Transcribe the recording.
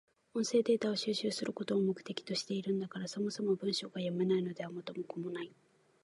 音声データを収集することを目的としているんだから、そもそも文章が読めないのでは元も子もない。